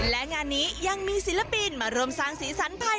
และงานนี้ยังมีศิลปินมาร่วมสร้างสีสันไทย